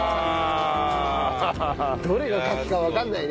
どれがカキかわかんないね。